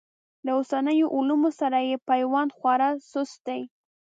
له اوسنیو علومو سره یې پیوند خورا سست دی.